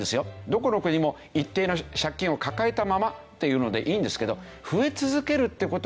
どこの国も一定の借金を抱えたままっていうのでいいんですけど。